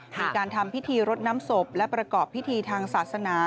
มีการทำพิธีรดน้ำศพและประกอบพิธีทางศาสนา